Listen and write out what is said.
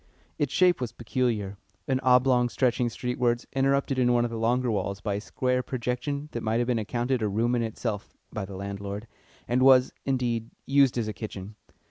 Its shape was peculiar an oblong stretching streetwards, interrupted in one of the longer walls by a square projection that might have been accounted a room in itself (by the landlord), and was, indeed, used as a kitchen.